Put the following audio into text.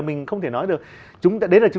mình không thể nói được đấy là